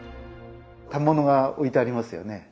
反物が置いてありますよね。